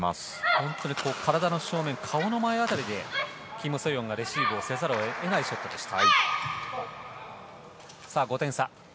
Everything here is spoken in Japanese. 本当に体の正面、顔の辺りでキム・ソヨンがレシーブせざるを得ないショットでした。